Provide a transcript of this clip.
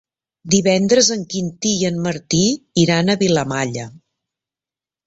Divendres en Quintí i en Martí iran a Vilamalla.